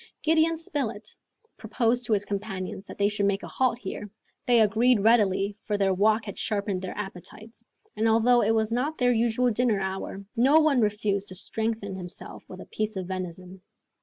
Gideon Spilett proposed to his companions that they should make a halt here. They agreed readily, for their walk had sharpened their appetites; and although it was not their usual dinner hour, no one refused to strengthen himself with a piece of venison.